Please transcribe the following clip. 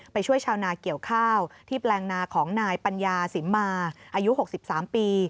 ไปช่วยชาวนาเกี่ยวข้าวที่แปลงนาของนายปัญญาสิมมาอายุ๖๓ปี